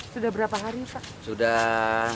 sudah berapa hari pak